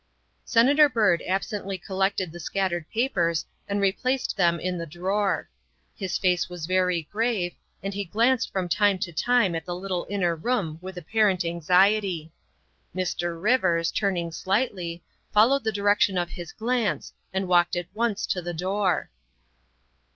Senator Byrd absently collected the scattered papers and replaced them in the drawer. His face was very grave, and he glanced from time to time at the little inner room with apparent anxiety. Mr. Rivers, turning slightly, followed the direction of his glance and walked at once to the door.